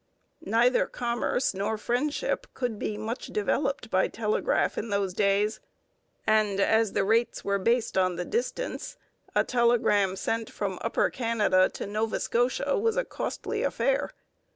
Neither commerce nor friendship could be much developed by telegraph in those days, and, as the rates were based on the distance, a telegram sent from Upper Canada to Nova Scotia was a costly affair.